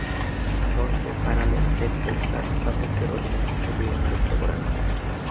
লর্ডসের ফাইনালে Ted Dexter সাসেক্সের অধিনায়কত্ব করেন।